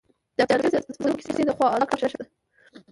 د افسانوي زمرو کیسه د ځواک نښه ده.